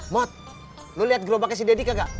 mod lo liat gerobaknya si deddy kagak